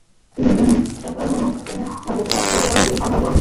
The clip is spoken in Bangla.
দেখো এতো বজনে ভগবান ও বিরক্ত হয়ে যাবে।